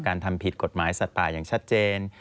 การทำผิดกฎหมายศาสตร์ป่ายังชัดเจน